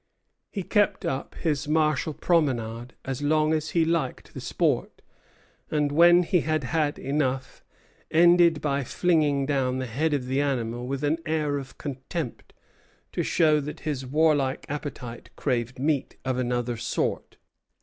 He kept up his martial promenade as long as he liked the sport; and when he had had enough, ended by flinging down the head of the animal with an air of contempt, to show that his warlike appetite craved meat of another sort."